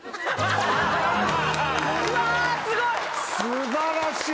素晴らしい。